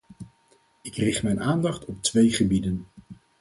Ik richt mijn aandacht op twee gebieden.